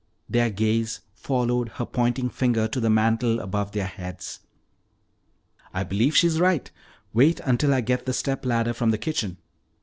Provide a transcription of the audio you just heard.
Their gaze followed her pointing finger to the mantel above their heads. "I believe she's right! Wait until I get the step ladder from the kitchen."